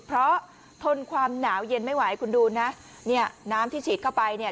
เพราะทนความหนาวเย็นไม่ไหวคุณดูนะเนี่ยน้ำที่ฉีดเข้าไปเนี่ย